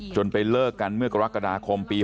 จนไปเลิกกันเมื่อกรครกฏฮปี๖๕